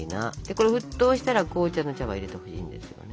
これ沸騰したら紅茶の茶葉を入れてほしいんですよね。